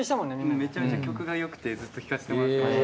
めちゃめちゃ曲が良くてずっと聴かせてもらってました。